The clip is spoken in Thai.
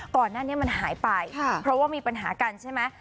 ก่อนหน้านี้มันหายไปเพราะว่ามีปัญหากันใช่ไหม